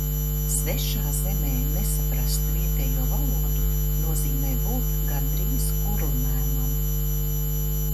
Svešā zemē nesaprast vietējo valodu nozīmē būt gandrīz kurlmēmam.